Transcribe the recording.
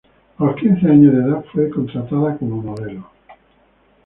A los quince años de edad, fue contratada como modelo.